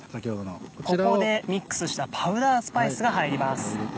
ここでミックスしたパウダースパイスが入ります。